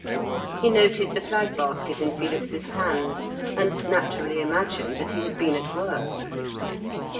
He noted the flag basket in Felix's hand, and naturally imagined that he had been at work.